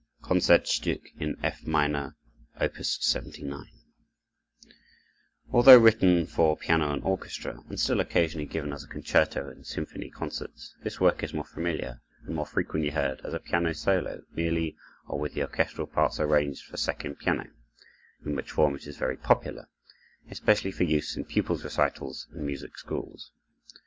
Weber: Concertstück in F Minor Op. 79 Although written for piano and orchestra, and still occasionally given as a concerto in symphony concerts, this work is more familiar and more frequently heard as a piano solo merely, or with the orchestral parts arranged for second piano, in which form it is very popular, especially for use in pupils' recitals and music schools.